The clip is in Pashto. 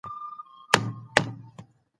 سیاستوالو به کارګرانو ته د کار حق ورکوی.